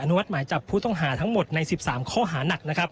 อนุมัติหมายจับผู้ต้องหาทั้งหมดใน๑๓เคาะหนะ